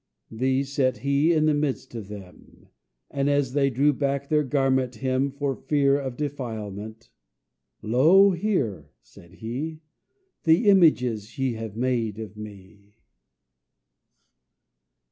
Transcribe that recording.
These set he in the midst of them, And as they drew back their garment hem, For fear of defilement, "Lo, here," said he, "The images ye have made of me!"